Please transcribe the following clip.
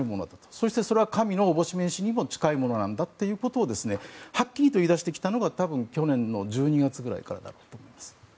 そして、それは神のおぼしめしにも近いものなんだということをはっきりと言い出してきたのが多分、去年の１２月ぐらいからだろうと思います。